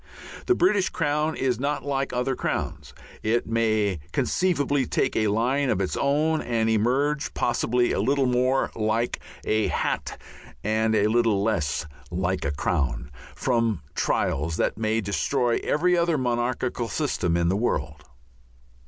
The British crown is not like other crowns; it may conceivably take a line of its own and emerge possibly a little more like a hat and a little less like a crown from trials that may destroy every other monarchial system in the world.